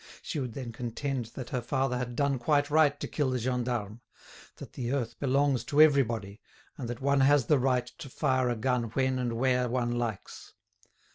She would then contend that her father had done quite right to kill the gendarme, that the earth belongs to everybody, and that one has the right to fire a gun when and where one likes.